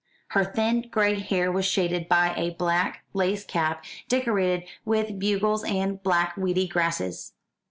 Her thin gray hair was shaded by a black lace cap, decorated with bugles and black weedy grasses.